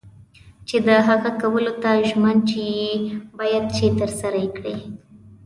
چې د هغه کولو ته ژمن یې او باید چې ترسره یې کړې.